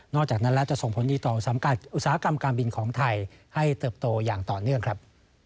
จากนั้นแล้วจะส่งผลดีต่อสังกัดอุตสาหกรรมการบินของไทยให้เติบโตอย่างต่อเนื่องครับ